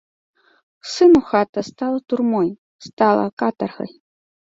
Сыну хата стала турмой, стала катаргай.